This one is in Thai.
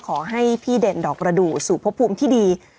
ขอให้พี่เด่นดอกประดูกสู่พบภูมิที่ดี